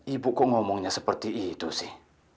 ibu kok ngomongnya seperti itu sih